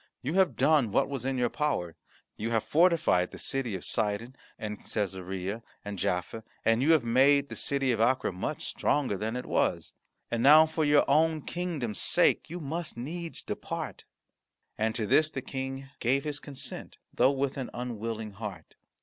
You have done what was in your power. You have fortified the city of Sidon, and Cassarea, and Jaffa, and you have made the city of Acre much stronger than it was. And now for your own kingdom's sake, you must needs depart." And to this the King gave his consent, though with an unwilling heart.